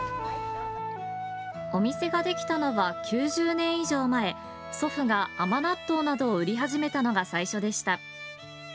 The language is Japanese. お店ができたのは９０年以上前、祖父が甘納豆などを売り始めたのが最初でした。